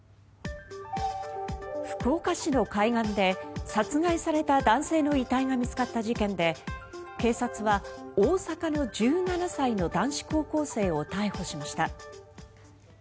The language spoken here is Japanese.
福岡市の海岸で殺害された男性の遺体が見つかった事件で警察は、大阪の１７歳の男子高校生を逮捕しました。